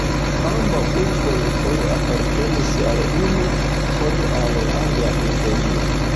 Ambaŭ urboj foje apartenis al unu, foje al la alia imperio.